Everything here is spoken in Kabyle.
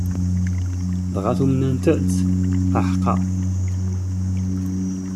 Dɣa tumenent-tt? Qaḥqa!